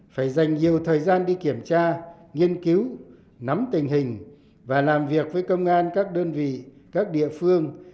phải dành nhiều thời gian đi kiểm tra nghiên cứu nắm tình hình và làm việc với công an các đơn vị các địa phương